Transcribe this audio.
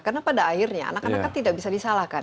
karena pada akhirnya anak anak tidak bisa disalahkan